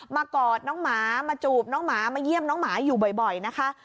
กอดน้องหมามาจูบน้องหมามาเยี่ยมน้องหมาอยู่บ่อยนะคะ